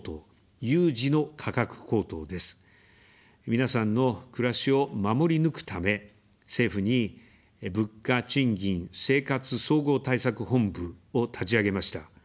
皆さんの暮らしを守り抜くため、政府に「物価・賃金・生活総合対策本部」を立ち上げました。